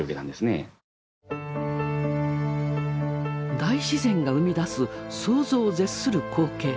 大自然が生み出す想像を絶する光景。